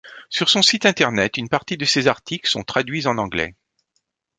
Sur son site internet, une partie de ses articles sont traduits en anglais.